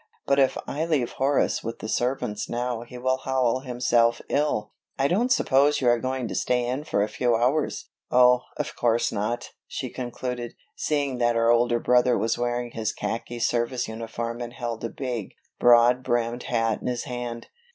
But if I leave Horace with the servants now he will howl himself ill. I don't suppose you were going to stay in for a few hours. Oh, of course not!" she concluded, seeing that her older brother was wearing his khaki service uniform and held a big, broad brimmed hat in his hand.